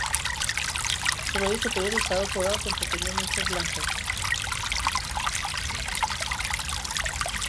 Su labio superior está decorado con pequeñas manchas blancas.